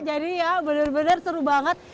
jadi ya bener bener seru banget